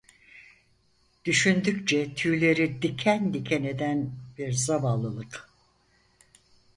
Düşündükçe tüyleri diken diken eden bir zavallılık…